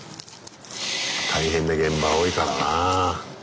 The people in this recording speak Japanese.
大変な現場多いからなぁ。